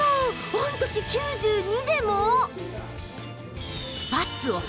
御年９２でも！？